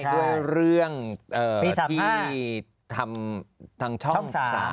ด้วยเรื่องพิธีทำทางช่อง๓